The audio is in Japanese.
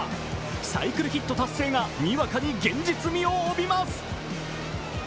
サイクルヒット達成がにわかに現実味を帯びます。